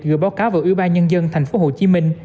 gửi báo cáo vào ủy ban nhân dân tp hcm